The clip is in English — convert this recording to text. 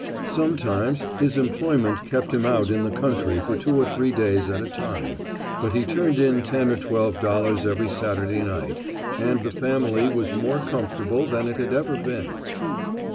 Sometimes his employment kept him out in the country for two or three days at a time, but he turned in ten or twelve dollars every Saturday night and the family was more comfortable than it had ever been.